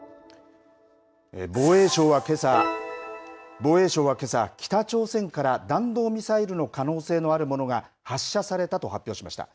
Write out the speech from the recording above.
防衛省は、けさ北朝鮮から弾道ミサイルの可能性のあるものが発射されたと発表しました。